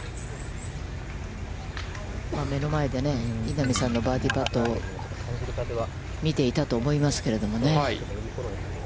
目の前で、稲見さんのバーディーパットを見ていたと思いますけれどもね。